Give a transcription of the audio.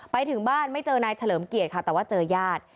ไปถึงบ้านไม่เจอนายเฉลิมเกียรติค่ะแต่ว่าเจอญาติ